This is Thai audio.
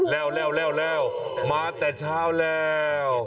แล้วมาแต่เช้าแล้ว